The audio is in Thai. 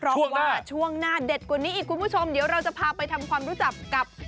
เพราะว่าช่วงหน้าเด็ดกว่านี้อีกคุณผู้ชมเดี๋ยวเราจะพาไปทำความรู้จักกับ